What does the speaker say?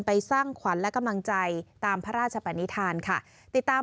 สร้างขวัญและกำลังใจตามพระราชปนิษฐานค่ะติดตาม